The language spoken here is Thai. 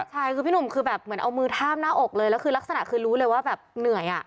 ใช่คือพี่หนุ่มคือแบบเหมือนเอามือทามหน้าอกเลยแล้วคือลักษณะคือรู้เลยว่าแบบเหนื่อยอ่ะ